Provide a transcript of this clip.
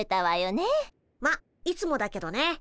まあいつもだけどね。